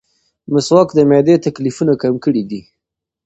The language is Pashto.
مسواک د معدې تکلیفونه کم کړي دي.